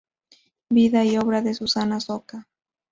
Vida y obra de Susana Soca".